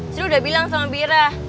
sri udah bilang sama ira